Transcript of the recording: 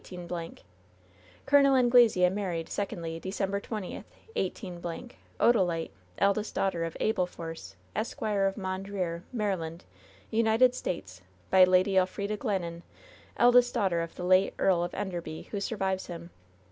Col. Anglesea married, sec ondly, December 20, 185 —, Odalite, eldest daughter of Abel Force, Esq., of Mondreer, Maryland, United States, by Lady Elfrida Glennon, eldest daughter of the late Earl of Enderby, who survives him.